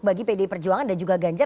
bagi pdi perjuangan dan juga ganjar